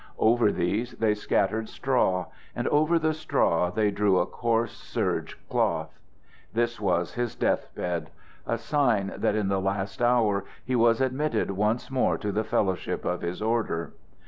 Over these they scattered straw, and over the straw they drew a coarse serge cloth. This was his death bed a sign that in the last hour he was admitted once more to the fellowship of his order.